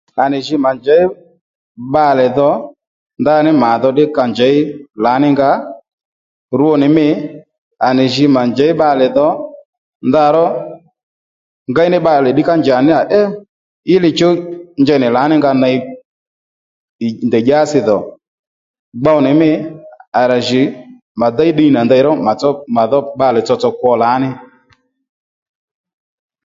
À nì jǐ mà njěy bbalè dho ndaní mà dho ddí ka njěy lǎnínga rwo nì mî à nì jǐ mà njěy bbalè dho ndaró ngéy ní bbalè ddí ká njà níyà é í li chú njey nì lǎnínga ney i ndèy dyási dhò gbow nì mî à rà jì mà déy ddiy nà ndeyró mà dho bbalè tsotso kwo lǎní